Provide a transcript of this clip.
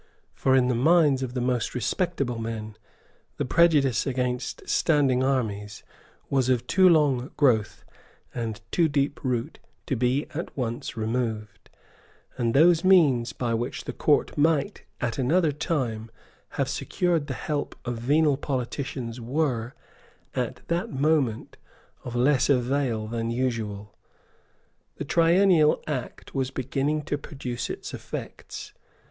For, in the minds of the most respectable men, the prejudice against standing armies was of too long growth and too deep root to be at once removed; and those means by which the Court might, at another time, have secured the help of venal politicians were, at that moment, of less avail than usual. The Triennial Act was beginning to produce its effects.